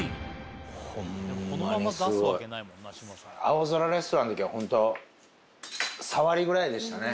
『青空レストラン』の時はホントさわりぐらいでしたね